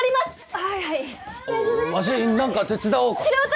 はいはいわし何か手伝おうか？